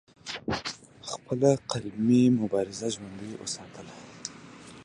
خپله قلمي مبارزه ژوندۍ اوساتله